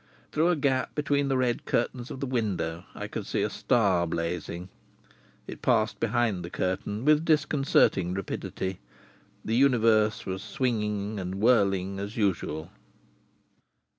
Through a gap between the red curtains of the window I could see a star blazing. It passed behind the curtain with disconcerting rapidity. The universe was swinging and whirling as usual.